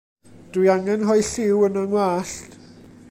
Dw i angen rhoi lliw yn 'y ngwallt.